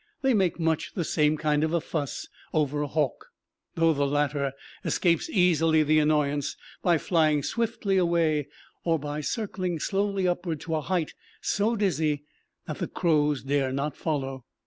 They make much the same kind of a fuss over a hawk, though the latter easily escapes the annoyance by flying swiftly away, or by circling slowly upward to a height so dizzy that the crows dare not follow.